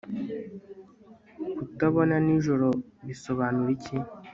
kutabona nijoro bisobanura iki